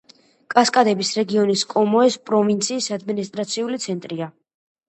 კასკადების რეგიონის კომოეს პროვინციის ადმინისტრაციული ცენტრია.